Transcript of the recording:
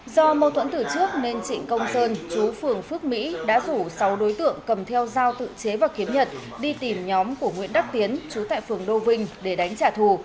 do mâu thuẫn từ trước nên trịnh công sơn chú phường phước mỹ đã rủ sáu đối tượng cầm theo dao tự chế và kiếm nhật đi tìm nhóm của nguyễn đắc tiến chú tại phường đô vinh để đánh trả thù